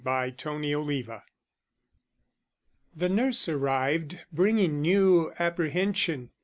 Chapter XVI The nurse arrived, bringing new apprehension.